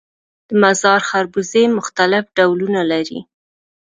د مزار خربوزې مختلف ډولونه لري